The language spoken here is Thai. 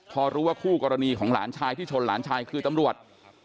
พอรู้ว่าคู่กรณีของหลานชายที่ชนหลานชายคือตำรวจ